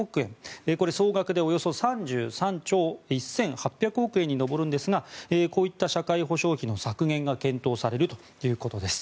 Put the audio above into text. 総額でおよそ３３兆１８００億円に上るんですがこういった社会保障費の削減が検討されるということです。